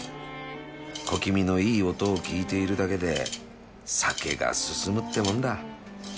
小気味のいい音を聞いているだけで酒が進むってもんだ